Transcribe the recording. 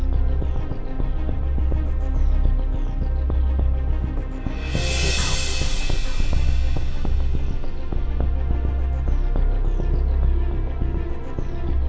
jangan lupa like share dan subscribe ya